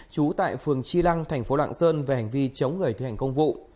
trú tại phường chi lăng tp lạng sơn về hành vi chống gửi thi hành công vụ